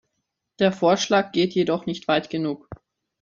Der Vorschlag geht jedoch nicht weit genug.